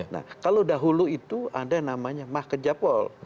nah kalau dahulu itu ada yang namanya mah kejapol